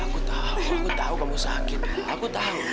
aku tahu aku tahu kamu sakit aku tahu